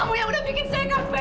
kamu yang udah bikin saya ngampe